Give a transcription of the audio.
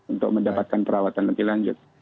untuk mendapatkan perawatan lebih lanjut